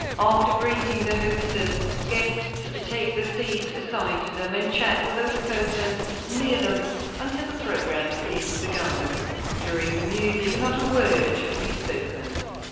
After greeting the hostess, guests take the seats assigned to them, and chat with those persons near them until the program is begun. During the music not a word should be spoken.